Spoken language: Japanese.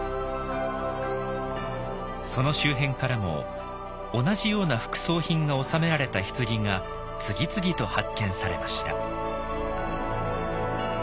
その周辺からも同じような副葬品が納められた棺が次々と発見されました。